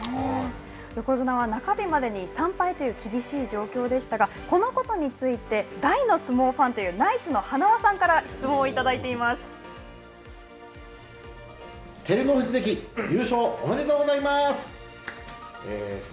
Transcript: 横綱は中日までに３敗という厳しい状況でしたがこのことについて大の相撲ファンというナイツの塙さんから照ノ富士関優勝おめでとうございます！